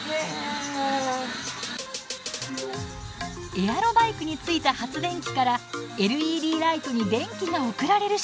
エアロバイクについた発電機からＬＥＤライトに電気が送られる仕組み。